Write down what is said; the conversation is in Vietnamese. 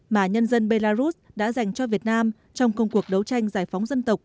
mà nhân dân belarus đã dành cho việt nam trong công cuộc đấu tranh giải phóng dân tộc